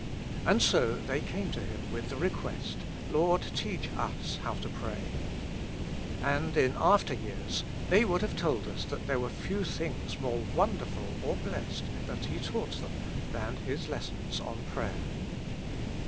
And so they came to Him with the request, "Lord, teach us how to pray." And in after years they would have told us that there were few things more wonderful or blessed that He taught them than His lessons on prayer.